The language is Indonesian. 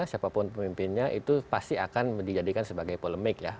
siapapun pemimpinnya itu pasti akan dijadikan sebagai polemik ya